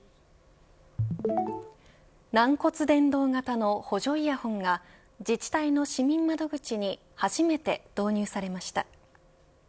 軟骨伝導型の補助イヤホンが自治体の市民窓口に初めて導入されました。